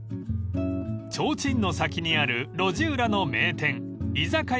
［提灯の先にある路地裏の名店居酒屋ぼちぼち］